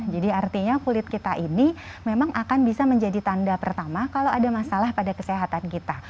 jadi artinya kulit kita ini memang akan bisa menjadi tanda pertama kalau ada masalah pada kesehatan kita